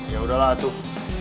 yaudah lah tuh